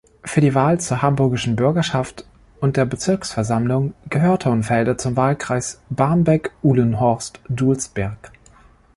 Für die Wahl zur Hamburgischen Bürgerschaft und der Bezirksversammlung gehört Hohenfelde zum Wahlkreis Barmbek-Uhlenhorst-Dulsberg.